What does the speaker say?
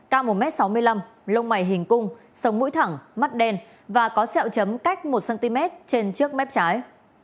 càng một m sáu mươi năm lông mày hình cung sông mũi thẳng mắt đen và có xẹo chấm cách một cm trên trước mép trái